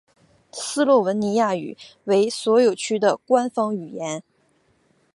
斯洛文尼亚语为所有区的官方语言。